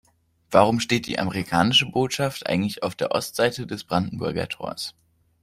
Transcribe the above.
Warum steht die amerikanische Botschaft eigentlich auf der Ostseite des Brandenburger Tors?